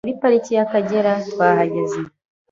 muri Pariki y’Akagera twahageze